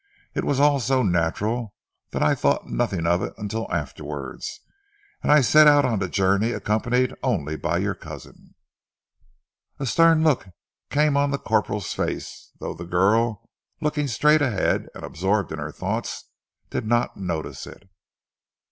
It was all so natural that I thought nothing of it until afterwards, and I set out on the journey accompanied only by your cousin." A stern look came on the corporal's face, though the girl, looking straight ahead and absorbed in her thoughts, did not notice it.